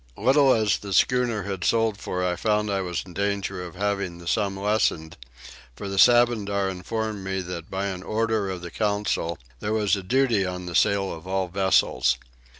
Little as the schooner had sold for I found I was in danger of having the sum lessened; for the Sabandar informed me that by an order of the council there was a duty on the sale of all vessels.